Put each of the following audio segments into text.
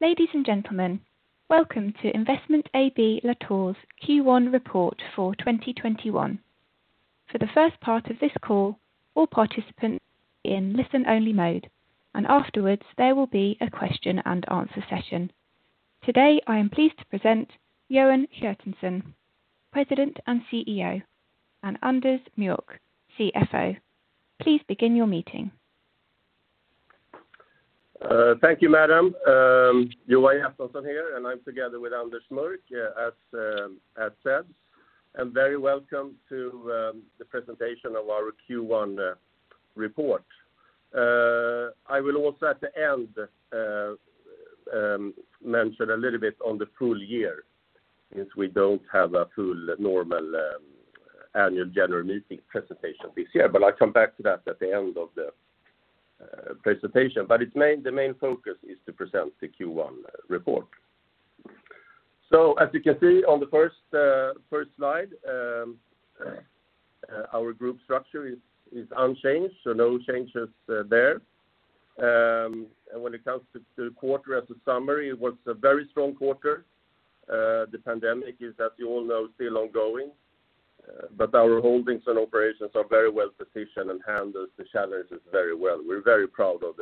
Ladies and gentlemen, welcome to Investment AB Latour's Q1 report for 2021. For the first part of this call, all participants in listen-only mode, and afterwards there will be a question-and-answer session. Today, I am pleased to present Johan Hjertonsson, President and CEO, and Anders Mörck, CFO. Please begin your meeting. Thank you, madam. Johan Hjertonsson here, I'm together with Anders Mörck, as said, Very welcome to the presentation of our Q1 report. I will also at the end mention a little bit on the full year, since we don't have a full normal annual general meeting presentation this year. I'll come back to that at the end of the presentation. The main focus is to present the Q1 report. As you can see on the first slide, our group structure is unchanged, so no changes there. When it comes to the quarter as a summary, it was a very strong quarter. The pandemic is, as you all know, still ongoing. Our holdings and operations are very well-positioned and handled the challenges very well. We're very proud of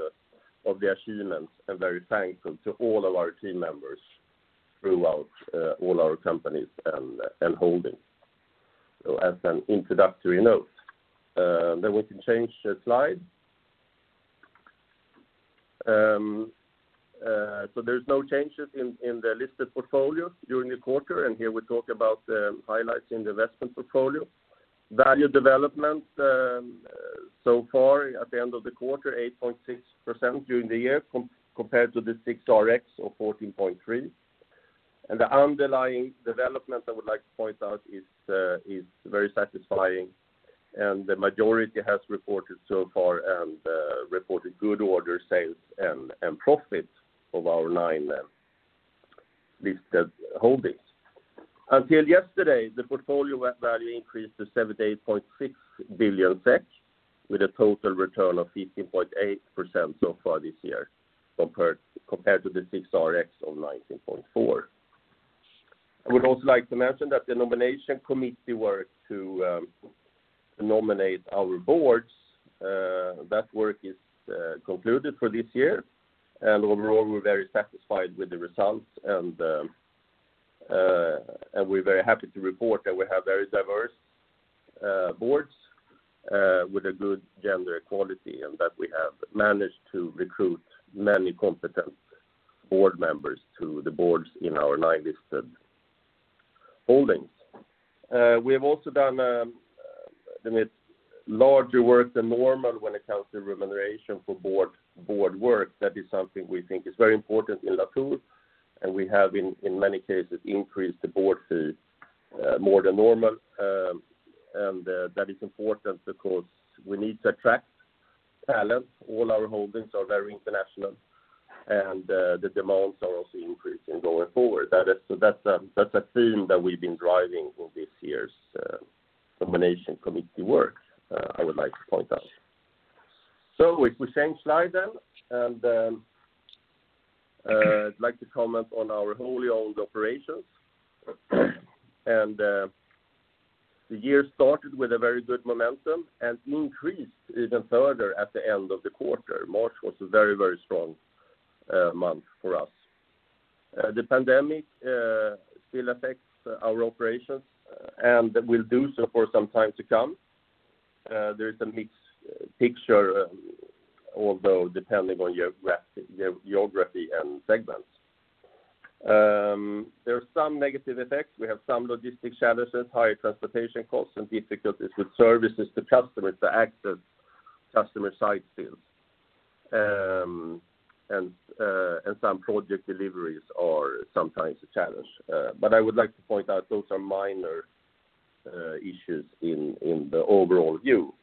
the achievements and very thankful to all of our team members throughout all our companies and holdings. As an introductory note. We can change the slide. There's no changes in the listed portfolio during the quarter, and here we talk about the highlights in the investment portfolio. Value development so far at the end of the quarter, 8.6% during the year compared to the SIXRX of 14.3%. The underlying development I would like to point out is very satisfying and the majority has reported so far good order sales and profits of our nine listed holdings. Until yesterday, the portfolio value increased to 78.6 billion SEK, with a total return of 15.8% so far this year compared to the SIXRX of 19.4%. I would also like to mention that the nomination committee work to nominate our boards, that work is concluded for this year. Overall, we're very satisfied with the results and we're very happy to report that we have very diverse boards with a good gender equality. We have managed to recruit many competent board members to the boards in our nine listed holdings. We have also done larger work than normal when it comes to remuneration for board work. That is something we think is very important in Latour, and we have in many cases increased the board fee more than normal. That is important because we need to attract talent. All our holdings are very international and the demands are also increasing going forward. That's a theme that we've been driving for this year's nomination committee work, I would like to point out. If we change slide, I'd like to comment on our wholly owned operations. The year started with a very good momentum and increased even further at the end of the quarter. March was a very strong month for us. The pandemic still affects our operations and will do so for some time to come. There is a mixed picture, although depending on geography and segments. There are some negative effects. We have some logistic challenges, higher transportation costs, and difficulties with services to customers, the access customer site fields. Some project deliveries are sometimes a challenge. I would like to point out those are minor issues in the overall view.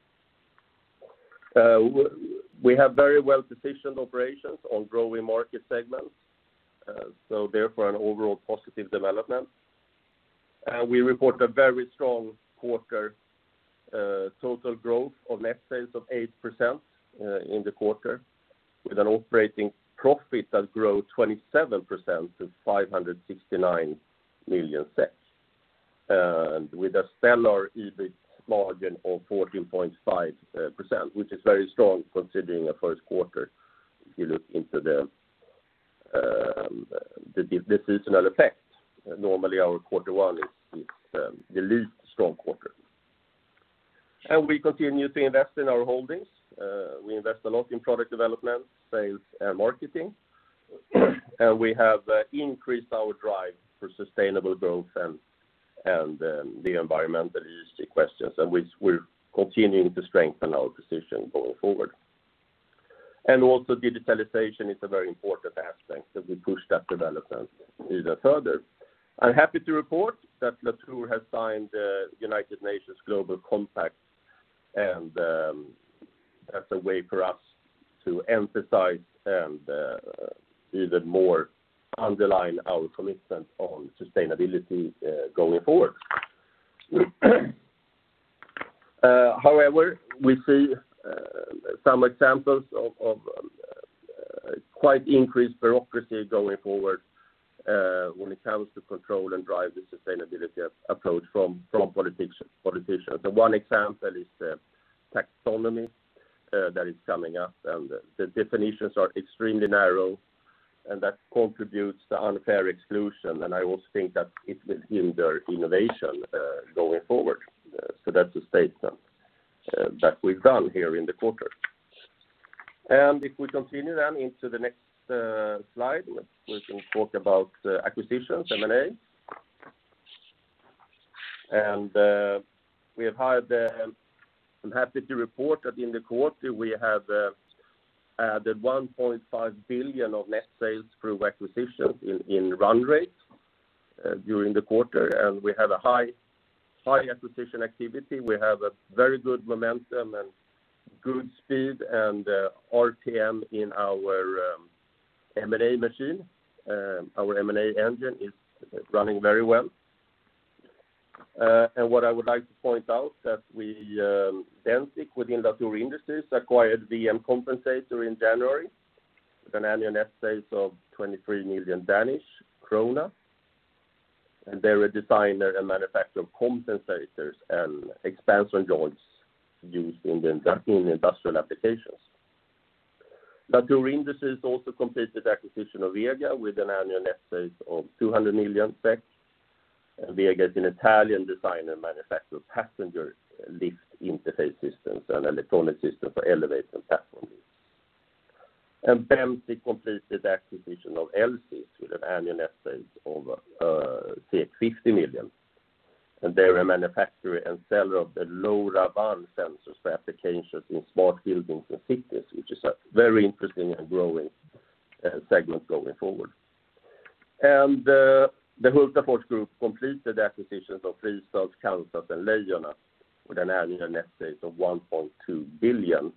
We have very well-positioned operations on growing market segments, so therefore an overall positive development. We report a very strong quarter total growth of net sales of 8% in the quarter with an operating profit that grew 27% to 569 million. With a stellar EBIT margin of 14.5%, which is very strong considering a first quarter, if you look into the seasonal effect. Normally our Q1 is the least strong quarter. We continue to invest in our holdings. We invest a lot in product development, sales, and marketing. We have increased our drive for sustainable growth and the environmental ESG questions, and which we're continuing to strengthen our position going forward. Also digitalization is a very important aspect as we push that development even further. I'm happy to report that Latour has signed a United Nations Global Compact, that's a way for us to emphasize and even more underline our commitment on sustainability going forward. However, we see some examples of quite increased bureaucracy going forward when it comes to control and drive the sustainability approach from politicians. The one example is the EU Taxonomy that is coming up, the definitions are extremely narrow, and that contributes to unfair exclusion. I also think that it will hinder innovation going forward. That's the statement that we've done here in the quarter. If we continue then into the next slide, we can talk about acquisitions, M&A. I'm happy to report that in the quarter we have added 1.5 billion of net sales through acquisitions in run rate during the quarter, and we have a high acquisition activity. We have a very good momentum and good speed and RTM in our M&A machine. Our M&A engine is running very well. What I would like to point out that DENSIQ within Latour Industries acquired VM Kompensator in January with an annual net sales of 23 million Danish krone. They are a designer and manufacturer of compensators and expansion joints used in industrial applications. Latour Industries also completed acquisition of Vega with an annual net sales of 200 million. Vega is an Italian designer and manufacturer of passenger lift interface systems and electronic system for elevator and platform lifts. DENSIQ completed the acquisition of Elsys with an annual net sales of SEK 50 million. They are a manufacturer and seller of the LoRaWAN sensors for applications in smart buildings and cities, which is a very interesting and growing segment going forward. The Hultafors Group completed the acquisitions of Fristads, Kansas, and Leijona with an annual net sales of 1.2 billion.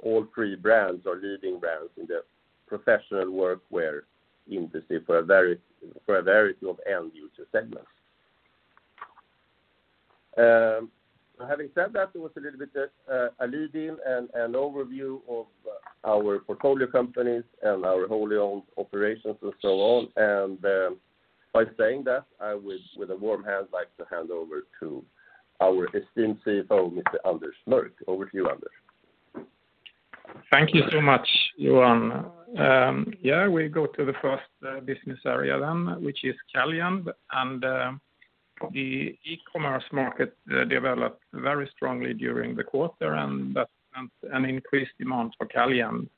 All three brands are leading brands in the professional workwear industry for a variety of end user segments. Having said that, it was a little bit alluding and overview of our portfolio companies and our wholly owned operations and so on. By saying that, I would, with a warm heart, like to hand over to our esteemed CFO, Mr. Anders Mörck. Over to you, Anders. Thank you so much, Johan. We go to the first business area, which is Caljan. The e-commerce market developed very strongly during the quarter, and that meant an increased demand for Caljan.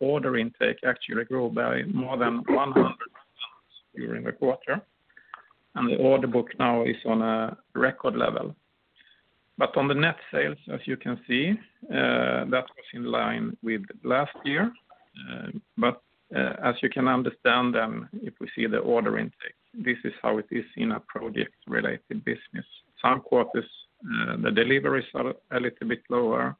Order intake actually grew by more than 100% during the quarter. The order book now is on a record level. On the net sales, as you can see, that was in line with last year. As you can understand, if we see the order intake, this is how it is in a project-related business. Some quarters the deliveries are a little bit lower.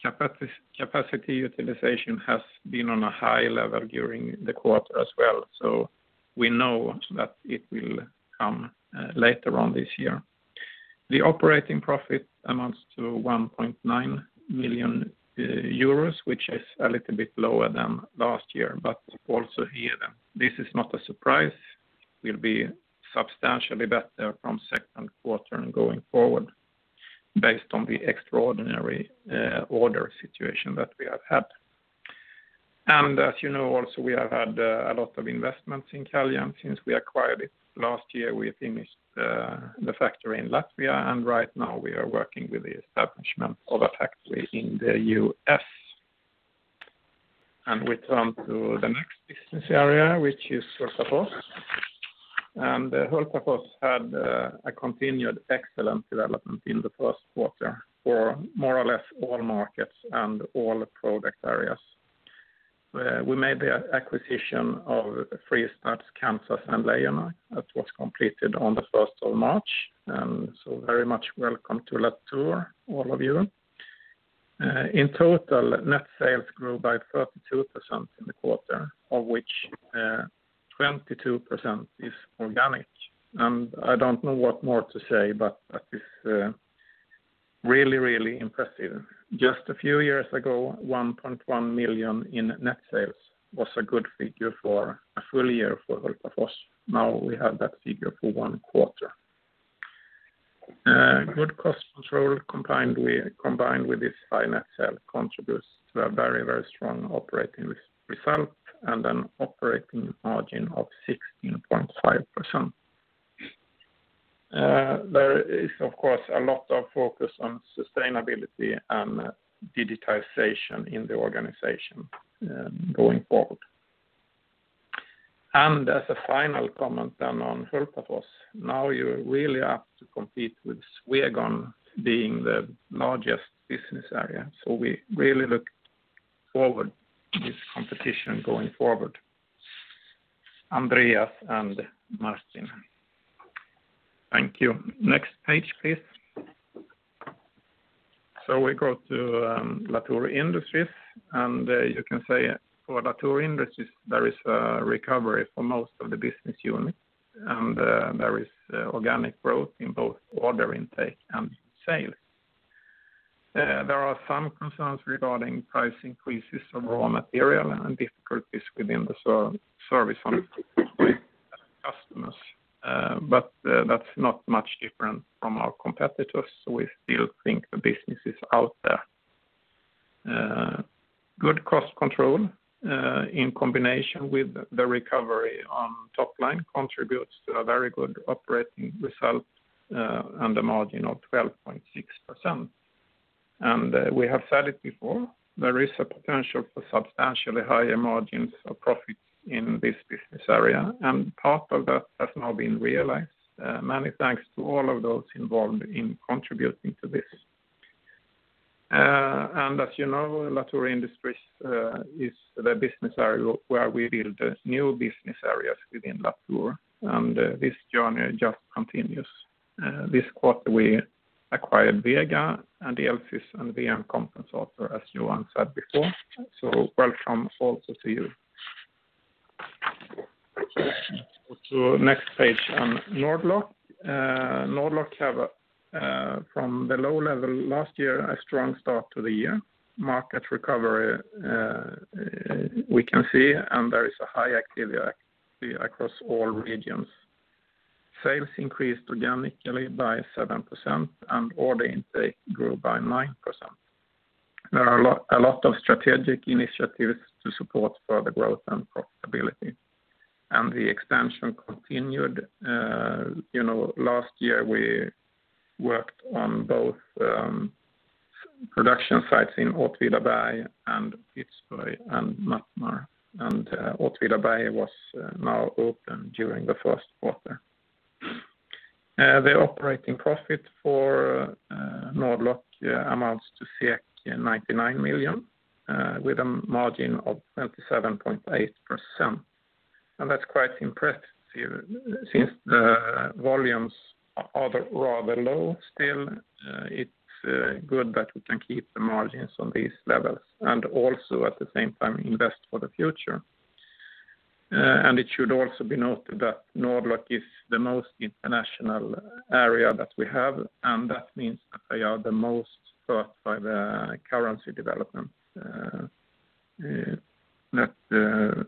Capacity utilization has been on a high level during the quarter as well, we know that it will come later on this year. The operating profit amounts to 1.9 million euros, which is a little bit lower than last year. Also here, this is not a surprise. We'll be substantially better from second quarter and going forward based on the extraordinary order situation that we have had. As you know also, we have had a lot of investments in Caljan since we acquired it last year. We finished the factory in Latvia, and right now we are working with the establishment of a factory in the U.S. We turn to the next business area, which is Hultafors. Hultafors had a continued excellent development in the first quarter for more or less all markets and all product areas. We made the acquisition of Fristads, Kansas, and Leijona. That was completed on the 1st of March, so very much welcome to Latour, all of you. In total, net sales grew by 32% in the quarter, of which 22% is organic. I don't know what more to say, but that is really impressive. Just a few years ago, 1.1 million in net sales was a good figure for a full year for Hultafors. Now we have that figure for one quarter. Good cost control combined with this high net sale contributes to a very strong operating result and an operating margin of 16.5%. There is, of course, a lot of focus on sustainability and digitization in the organization going forward. As a final comment then on Hultafors, now you're really up to compete with Swegon being the largest business area. We really look forward to this competition going forward. Andreas and Martin. Thank you. Next page, please. We go to Latour Industries, and you can say for Latour Industries, there is a recovery for most of the business units, and there is organic growth in both order intake and sales. There are some concerns regarding price increases on raw material and difficulties within the service on customers. That's not much different from our competitors. We still think the business is out there. Good cost control in combination with the recovery on top line contributes to a very good operating result and a margin of 12.6%. We have said it before, there is a potential for substantially higher margins or profits in this business area, and part of that has now been realized. Many thanks to all of those involved in contributing to this. As you know, Latour Industries is the business area where we build new business areas within Latour, and this journey just continues. This quarter we acquired Vega, and Elsys, and VM Kompensator, as Johan said before. Welcome also to you. Let's go to next page on Nord-Lock. Nord-Lock have, from the low level last year, a strong start to the year. Market recovery we can see, and there is a high activity across all regions. Sales increased organically by 7% and order intake grew by 9%. There are a lot of strategic initiatives to support further growth and profitability. The expansion continued. Last year we worked on both production sites in Åtvidaberg and Pittsburgh and Mattmar, and Åtvidaberg was now open during the first quarter. The operating profit for Nord-Lock amounts to 99 million, with a margin of 27.8%. That's quite impressive since the volumes are rather low still. It's good that we can keep the margins on these levels and also at the same time invest for the future. It should also be noted that Nord-Lock is the most international area that we have, and that means that they are the most hurt by the currency development.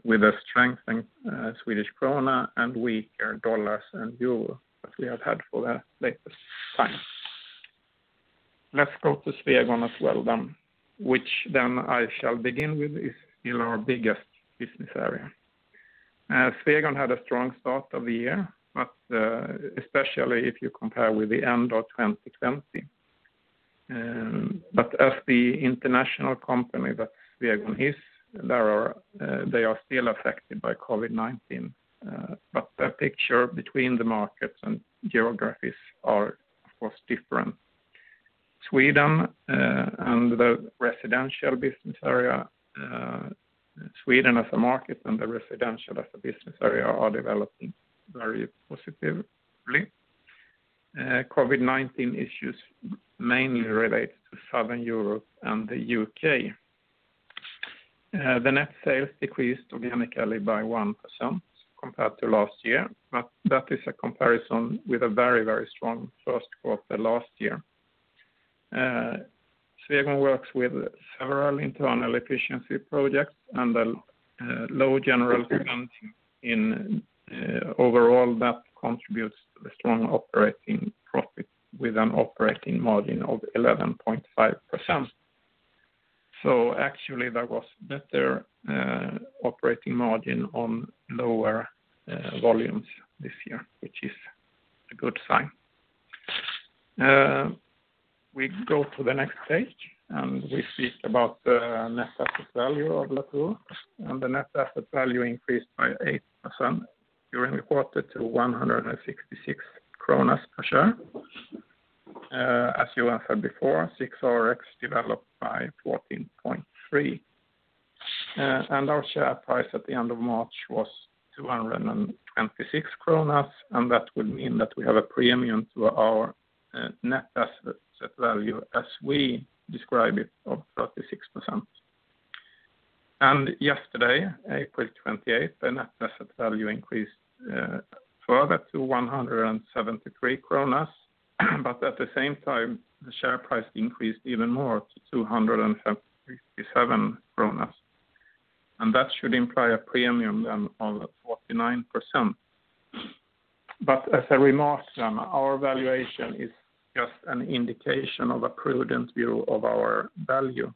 With a strengthening SEK and weaker USD and EUR as we have had for the latest time. Let's go to Swegon as well then, which then I shall begin with, is still our biggest business area. Swegon had a strong start of the year, but especially if you compare with the end of 2020. As the international company that Swegon is, they are still affected by COVID-19. The picture between the markets and geographies are, of course, different. Sweden as a market and the residential as a business area are developing very positively. COVID-19 issues mainly related to Southern Europe and the U.K. The net sales decreased organically by 1% compared to last year, that is a comparison with a very strong first quarter last year. Swegon works with several internal efficiency projects and a low general cost in overall that contributes to the strong operating profit with an operating margin of 11.5%. Actually there was better operating margin on lower volumes this year, which is a good sign. We go to the next page, we speak about the net asset value of Latour. The net asset value increased by 8% during the quarter to 166 kronor per share. As Johan said before, SIXRX developed by 14.3%. Our share price at the end of March was 226 kronor, and that would mean that we have a premium to our net asset value as we describe it of 36%. Yesterday, April 28th, the net asset value increased further to 173 kronor, but at the same time, the share price increased even more to 257 kronor. That should imply a premium then of 49%. As a remark then, our valuation is just an indication of a prudent view of our value.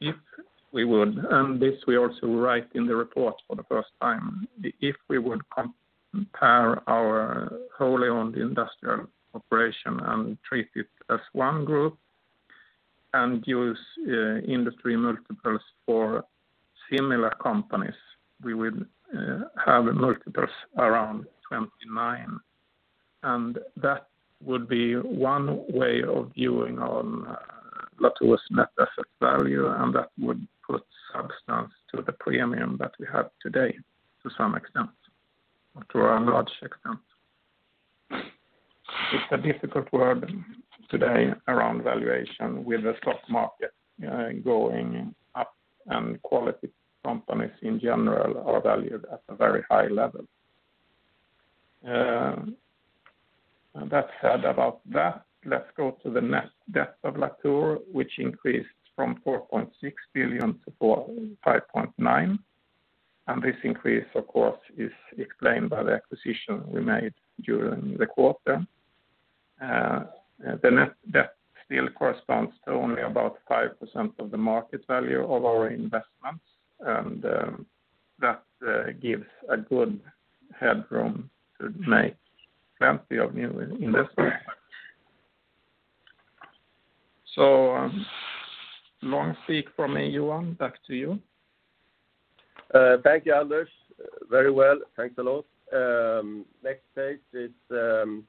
If we would, and this we also write in the report for the first time, if we would compare our wholly owned industrial operation and treat it as one group and use industry multiples for similar companies, we would have multiples around 29. That would be one way of viewing on Latour's net asset value, and that would put substance to the premium that we have today to some extent or to a large extent. It's a difficult word today around valuation with the stock market going up, and quality companies in general are valued at a very high level. That said about that, let's go to the net debt of Latour, which increased from 4.6 billion to 5.9 billion. This increase, of course, is explained by the acquisition we made during the quarter. The net debt still corresponds to only about 5% of the market value of our investments, and that gives a good headroom to make plenty of new investments. Long speak from me, Johan, back to you. Thank you, Anders. Very well. Thanks a lot. Next page is some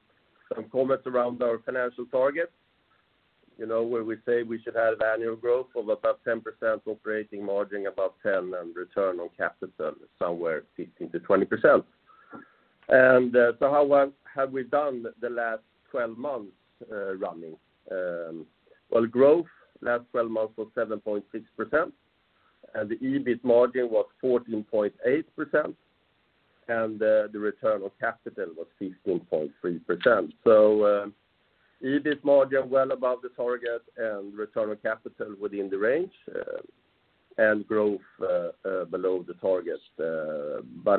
comments around our financial targets. Where we say we should have annual growth of about 10%, operating margin about 10%, and return on capital somewhere 15%-20%. How well have we done the last 12 months running? Well, growth last 12 months was 7.6%, and the EBIT margin was 14.8%, and the return on capital was 15.3%. EBIT margin well above the target and return on capital within the range, and growth below the target.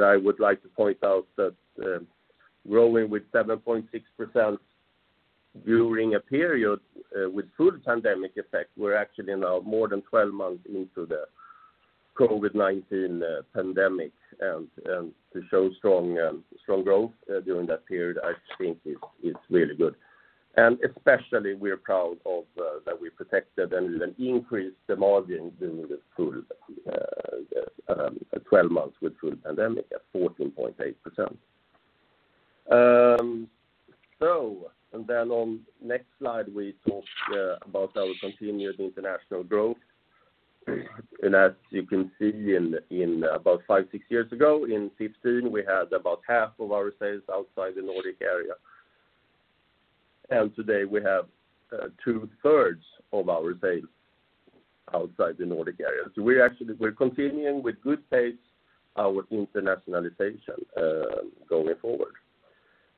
I would like to point out that growing with 7.6% during a period with full pandemic effect, we're actually now more than 12 months into the COVID-19 pandemic, and to show strong growth during that period, I think is really good. Especially we're proud of that we protected and even increased the margin during the 12 months with full pandemic at 14.8%. On next slide, we talk about our continued international growth. As you can see in about five, six years ago, in 2015, we had about half of our sales outside the Nordic area. Today we have two-thirds of our sales outside the Nordic area. We're continuing with good pace our internationalization going forward.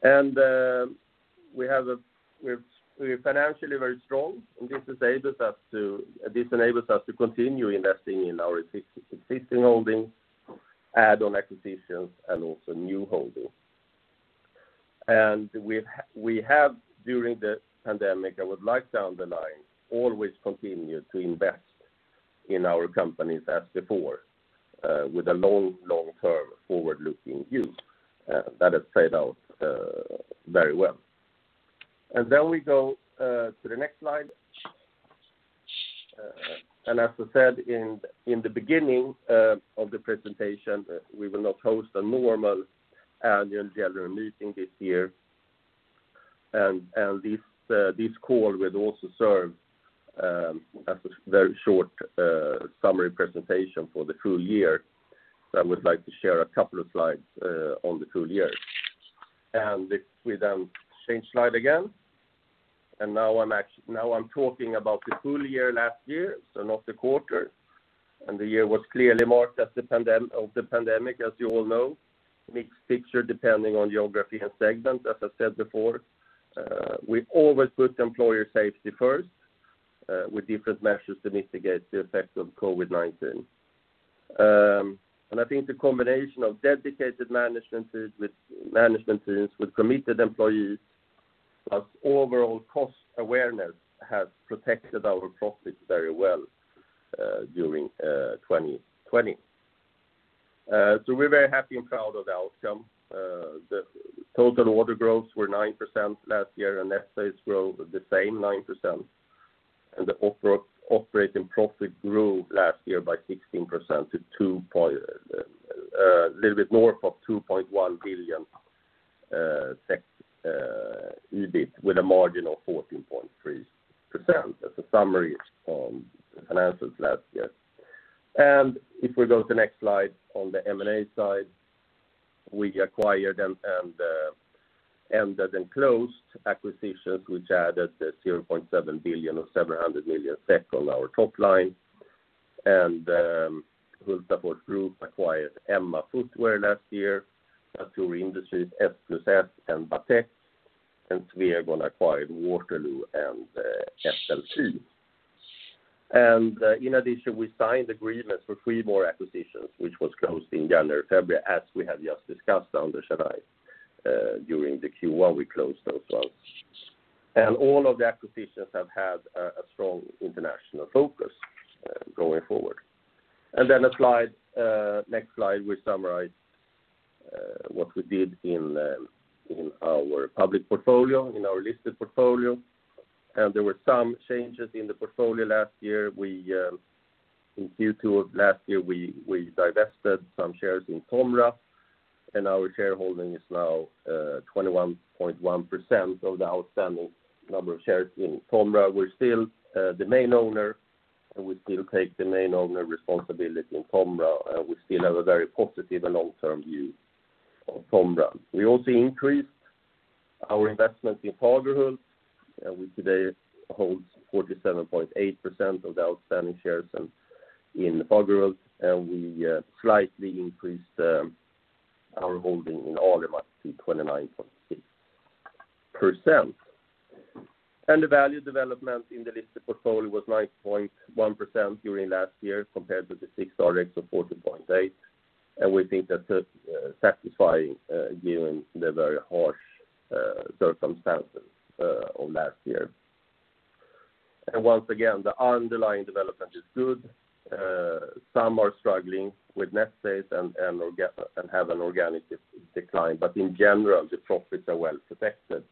We're financially very strong, and this enables us to continue investing in our existing holdings, add-on acquisitions, and also new holdings. We have, during the pandemic, I would like to underline, always continued to invest in our companies as before with a long-term forward-looking view that has paid out very well. We go to the next slide. As I said in the beginning of the presentation, we will not host a normal annual general meeting this year. This call will also serve as a very short summary presentation for the full year. I would like to share a couple of slides on the full year. If we change slide again. Now I'm talking about the full year last year, so not the quarter. The year was clearly marked of the pandemic, as you all know. Mixed picture depending on geography and segment, as I said before. We always put employee safety first with different measures to mitigate the effects of COVID-19. I think the combination of dedicated management teams with committed employees plus overall cost awareness has protected our profits very well during 2020. We're very happy and proud of the outcome. The total order growths were 9% last year, and net sales growth was the same, 9%. The operating profit grew last year by 16% to a little bit north of 2.1 billion EBIT with a margin of 14.3%. That's a summary on the finances last year. If we go to the next slide on the M&A side, we acquired and ended and closed acquisitions which added 0.7 billion or 700 million SEK on our top line. Hultafors Group acquired EMMA Footwear last year, Latour Industries, S+S, and Batec. Swegon acquired Waterloo and SLT. In addition, we signed agreements for three more acquisitions, which was closed in January, February, as we have just discussed, Anders and I during the Q1, we closed those as well. All of the acquisitions have had a strong international focus going forward. Next slide, we summarize what we did in our public portfolio, in our listed portfolio. There were some changes in the portfolio last year. In Q2 of last year, we divested some shares in TOMRA, and our shareholding is now 21.1% of the outstanding number of shares in TOMRA. We're still the main owner. We still take the main owner responsibility in TOMRA, and we still have a very positive and long-term view of TOMRA. We also increased our investment in Fagerhult, and we today hold 47.8% of the outstanding shares in Fagerhult, and we slightly increased our holding in Alimak to 29.6%. The value development in the listed portfolio was 9.1% during last year compared with the SIXRX of 14.8%. We think that's satisfying given the very harsh circumstances of last year. Once again, the underlying development is good. Some are struggling with net sales and have an organic decline. In general, the profits are well protected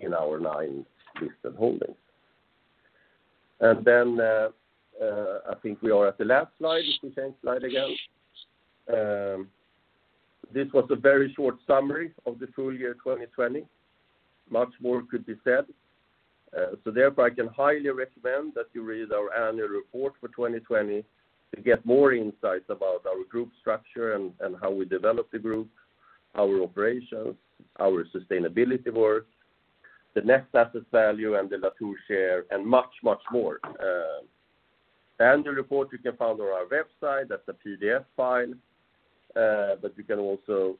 in our nine listed holdings. I think we are at the last slide, if we change slide again. This was a very short summary of the full year 2020. Much more could be said. Therefore, I can highly recommend that you read our annual report for 2020 to get more insights about our group structure and how we develop the group, our operations, our sustainability work, the net asset value, and the Latour share, and much more. The annual report you can find on our website as a PDF file, but you can also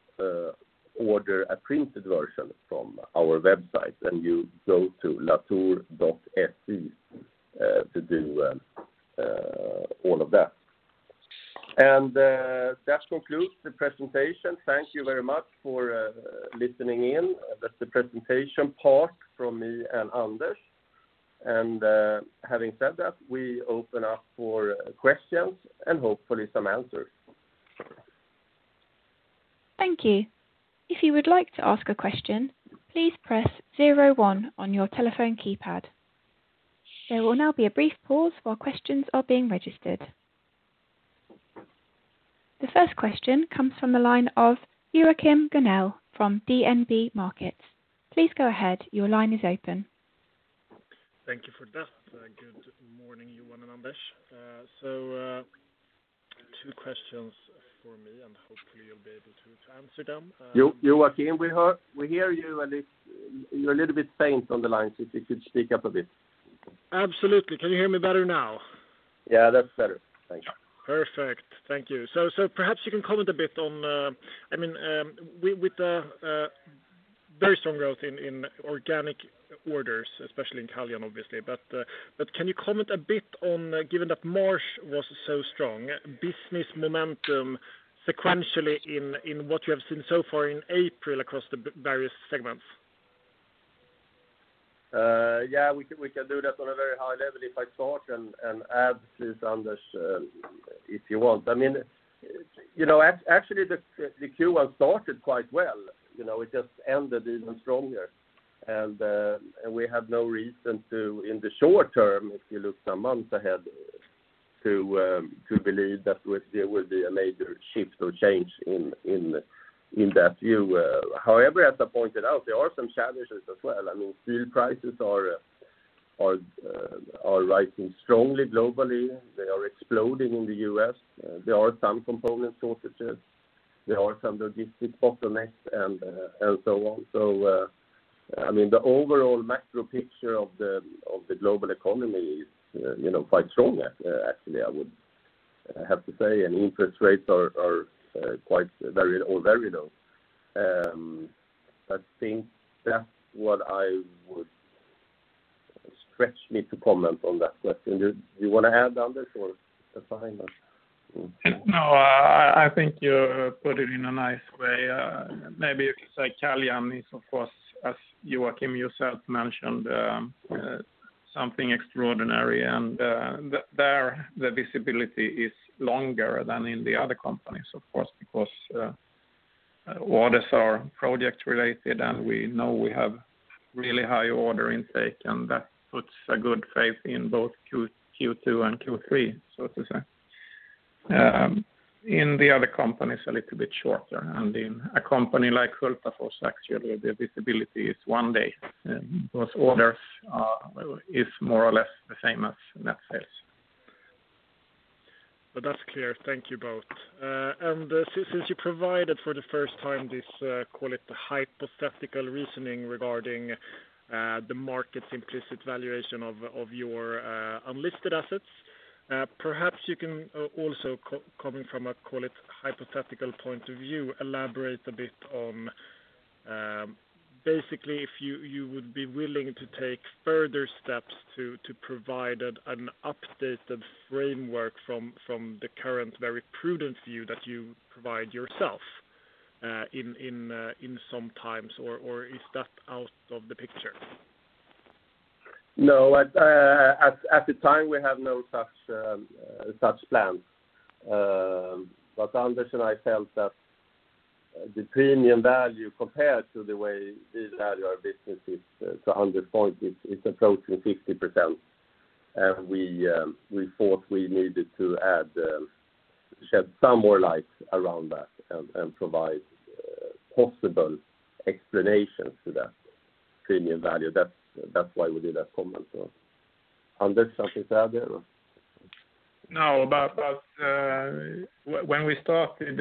order a printed version from our website, and you go to latour.se to do all of that. That concludes the presentation. Thank you very much for listening in. That's the presentation part from me and Anders. Having said that, we open up for questions and hopefully some answers. Thank you. If you would like to ask a question, please press zero one on your telephone keypad. There will now be a brief pause while questions are being registered. The first question comes from the line of Joachim Gunell from DNB Markets. Please go ahead. Your line is open. Thank you for that. Good morning, Johan and Anders. Two questions for me, and hopefully you'll be able to answer them. Joachim, we hear you. You're a little bit faint on the line, if you could speak up a bit. Absolutely. Can you hear me better now? Yeah, that's better. Thank you. Perfect. Thank you. Perhaps you can comment a bit. With the very strong growth in organic orders, especially in Caljan, obviously. Can you comment a bit on, given that March was so strong, business momentum sequentially in what you have seen so far in April across the various segments? Yeah, we can do that on a very high level if I start and add to it, Anders, if you want. Actually, the Q1 started quite well. It just ended even stronger. We have no reason to, in the short term, if you look some months ahead, to believe that there will be a major shift or change in that view. However, as I pointed out, there are some challenges as well. Steel prices are rising strongly globally. They are exploding in the U.S. There are some component shortages. There are some logistic bottlenecks and so on. The overall macro picture of the global economy is quite strong actually, I would have to say, and interest rates are all very low. I think that's what I would stretch me to comment on that question. Do you want to add, Anders, or that's behind us? No, I think you put it in a nice way. Maybe if you say Caljan is, of course, as Joachim yourself mentioned, something extraordinary. There the visibility is longer than in the other companies, of course. Orders are project-related. We know we have really high order intake. That puts a good faith in both Q2 and Q3, so to say. In the other companies, a little bit shorter. In a company like Hultafors, actually, the visibility is one day because orders are more or less the same as net sales. That's clear. Thank you both. Since you provided for the first time this, call it hypothetical reasoning regarding the market's implicit valuation of your unlisted assets, perhaps you can also coming from a, call it hypothetical point of view, elaborate a bit on basically if you would be willing to take further steps to provide an updated framework from the current very prudent view that you provide yourself in some times, or is that out of the picture? No, at the time, we have no such plans. Anders and I felt that the premium value compared to the way we value our businesses to 100 points is approaching 50%, and we thought we needed to shed some more light around that and provide possible explanations to that premium value. That's why we did that comment. Anders, something to add there? No. When we started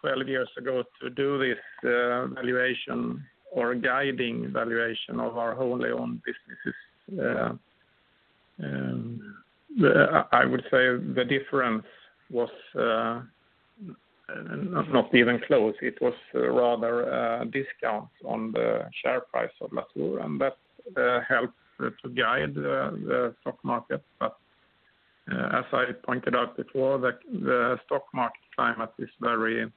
12 years ago to do this valuation or guiding valuation of our wholly owned businesses, I would say the difference was not even close. It was rather a discount on the share price of Latour, and that helped to guide the stock market. As I pointed out before, the stock market climate is very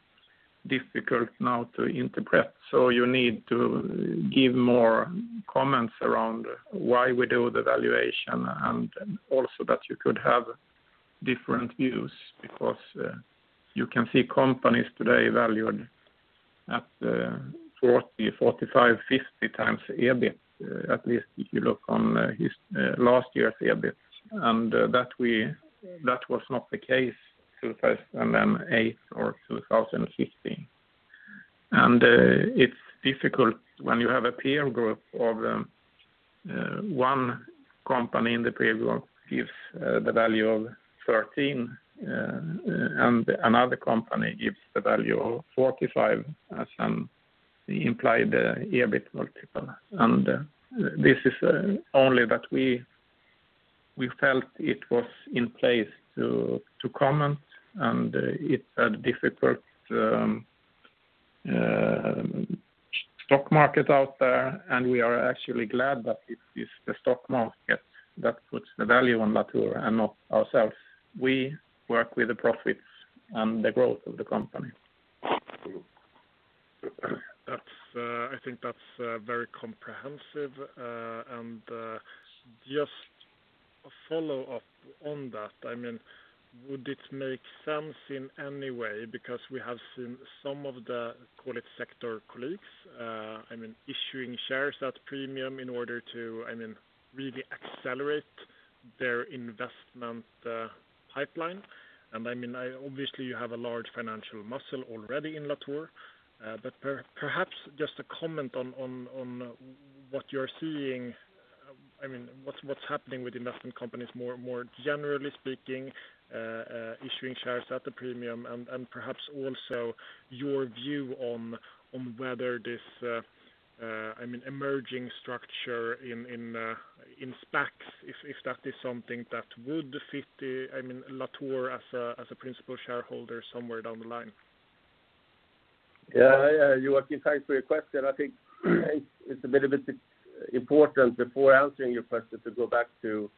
difficult now to interpret, so you need to give more comments around why we do the valuation and also that you could have different views because you can see companies today valued at 40, 45, 50x EBIT, at least if you look on last year's EBIT. That was not the case 2008 or 2015. It's difficult when you have a peer group of one company in the peer group gives the value of 13, and another company gives the value of 45 as an implied EBIT multiple. This is only that we felt it was in place to comment. It's a difficult stock market out there. We are actually glad that it's the stock market that puts the value on Latour and not ourselves. We work with the profits and the growth of the company. I think that's very comprehensive. Just a follow-up on that, would it make sense in any way, because we have seen some of the, call it sector colleagues issuing shares at premium in order to really accelerate their investment pipeline. Obviously, you have a large financial muscle already in Latour. Perhaps just a comment on what you're seeing, what's happening with investment companies more generally speaking, issuing shares at the premium and perhaps also your view on whether this emerging structure in SPACs, if that is something that would fit Latour as a principal shareholder somewhere down the line. Joachim, thanks for your question. I think it's a little bit important before answering your question to go back to,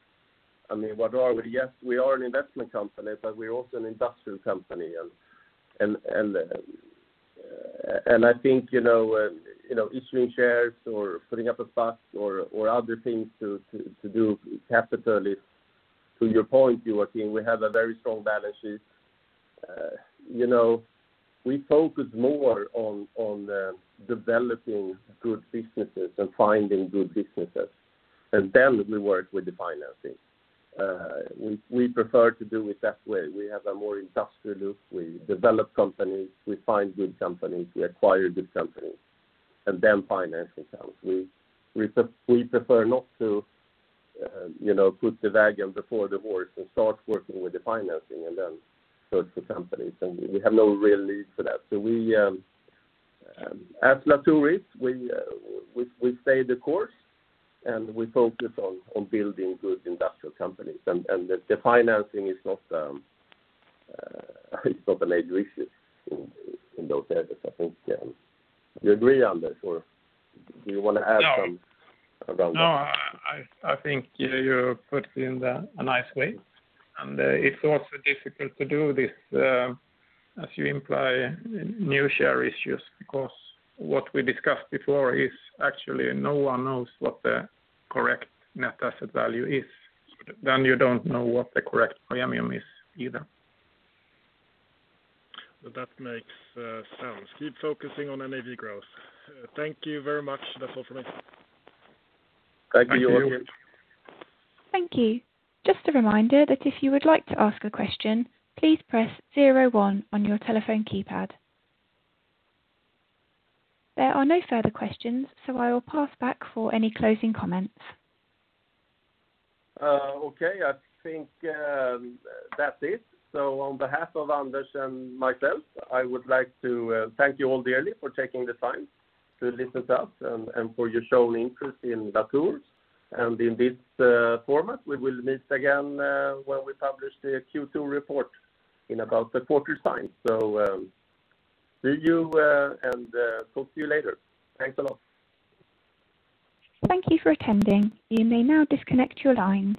what are we? Yes, we are an investment company, but we're also an industrial company. I think issuing shares or putting up a SPAC or other things to do capitally, to your point, Joachim, we have a very strong balance sheet. We focus more on developing good businesses and finding good businesses, and then we work with the financing. We prefer to do it that way. We have a more industrial look. We develop companies. We find good companies. We acquire good companies, and then finance it out. We prefer not to put the wagon before the horse and start working with the financing and then search for companies. We have no real need for that. As Latour is, we stay the course, and we focus on building good industrial companies. The financing is not an issue in those areas, I think. You agree, Anders? Do you want to add some around that? No, I think you put it in a nice way. It's also difficult to do this, as you imply, new share issues, because what we discussed before is actually no one knows what the correct net asset value is. You don't know what the correct premium is either. That makes sense. Keep focusing on NAV growth. Thank you very much. That's all for me. Thank you, Joachim. Thank you. Thank you. Just a reminder that if you would like to ask a question, please press zero one on your telephone keypad. There are no further questions. I will pass back for any closing comments. I think that's it. On behalf of Anders and myself, I would like to thank you all dearly for taking the time to listen to us and for your shown interest in Latour and in this format. We will meet again when we publish the Q2 report in about a quarter's time. See you, and talk to you later. Thanks a lot. Thank you for attending. You may now disconnect your lines.